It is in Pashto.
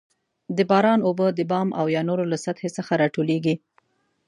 د باران اوبه د بام او یا نورو له سطحې څخه راټولیږي.